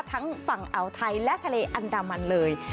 ทั้งฝั่งอ่าวไทยและทะเลอันดามันเลย